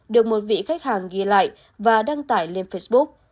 được một vị khách hàng ghi lại và đăng tải lên facebook